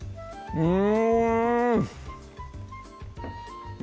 うん！